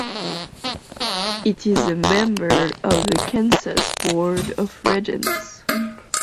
It is a member of the Kansas Board of Regents.